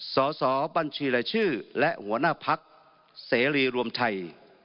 สสบัญชีรายชื่อและหัวหน้าพักเสรีรวมไทย